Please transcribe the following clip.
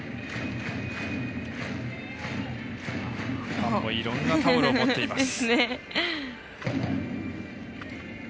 ファンもいろんなタオルを持っています。